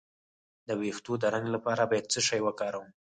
د ویښتو د رنګ لپاره باید څه شی وکاروم؟